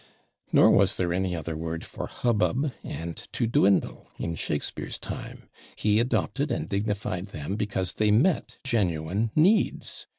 Nor was there any other word for /hubbub/ and to /dwindle/ in Shakespeare's time; he adopted and dignified them because they met genuine needs.